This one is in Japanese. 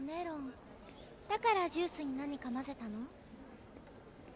ロンだからジュースに何か混ぜたの？